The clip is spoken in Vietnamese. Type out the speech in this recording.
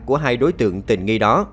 của hai đối tượng tình nghi đó